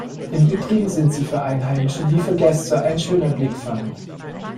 Im Übrigen sind sie für Einheimische wie für Gäste ein schöner Blickfang.